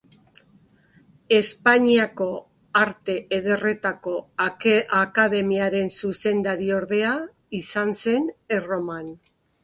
Espainiako Arte Ederretako Akademiaren zuzendariordea izan zen Erroman.